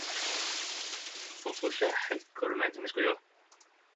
Forsto ikkje heilt kva du meinte vi skulle gjere.